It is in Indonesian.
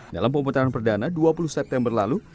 dalam pemutaran perdana dua puluh september lalu